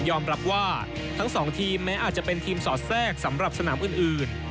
รับว่าทั้งสองทีมแม้อาจจะเป็นทีมสอดแทรกสำหรับสนามอื่น